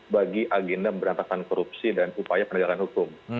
bagi agenda berantakan korupsi dan upaya penerjalan hukum